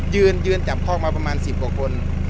ยืนยืนจับคอกมาประมาณ๑๐กว่าคน